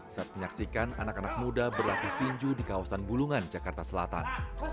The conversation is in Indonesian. saat menyaksikan anak anak muda berlatih tinju di kawasan bulungan jakarta selatan